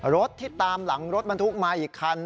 รถที่ตามหลังรถบรรทุกมาอีกคัน